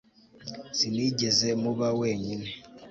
Sinigeze muba wenyine